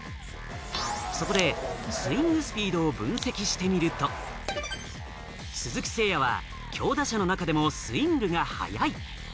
そこでスイングスピードを分析してみると、鈴木誠也は強打者の中でもスイングが速い。